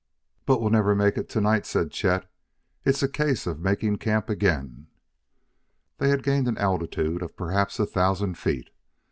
"But we'll never make it to night," said Chet; "it's a case of making camp again." They had gained an altitude of perhaps a thousand feet.